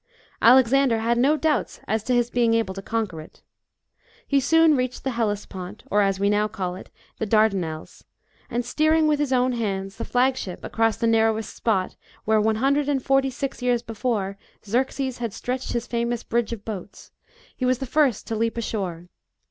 Alexander had no doubts as to his being able to conquer it. He soon reached the Hellespont, or, as we now call it, the Dardanelles, and steering with his own hands the flagship across the narrowest spot, where one hundred and forty six years before, Xerxes had stretched his famous bridge of boats, he was the first to leap ashore.